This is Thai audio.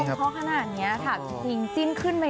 เพราะว่าใจแอบในเจ้า